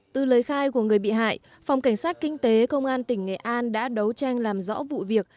từ lời khai của người bị hại phòng cảnh sát kinh tế công an tỉnh nghệ an đã đấu tranh làm rõ vụ việc